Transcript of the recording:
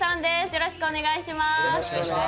よろしくお願いします。